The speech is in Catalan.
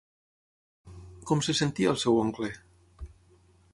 Com se sentia el seu oncle?